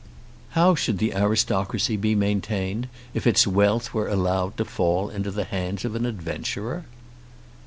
How should the aristocracy be maintained if its wealth were allowed to fall into the hands of an adventurer!